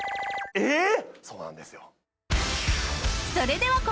えっ。